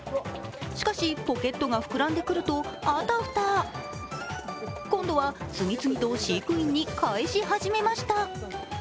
しかし、ポケットが膨らんでくるとあたふた今度は次々と飼育員に返し始めました。